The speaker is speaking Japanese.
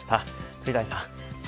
鳥谷さん侍